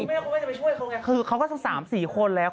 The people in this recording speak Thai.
ที่แม่ก็ไม่ใช่ไปช่วยเขาไงคือเขาก็สามสี่คนแล้ว